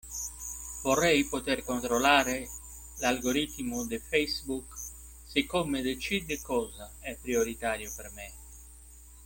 Vorrei poter controllare l'algoritmo di Facebook, siccome decide cosa è prioritario per me.